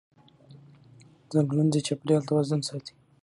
ځنګلونه د چاپېریال توازن ساتي